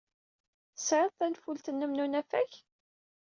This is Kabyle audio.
Tesɛid tanfult-nnem n usafag?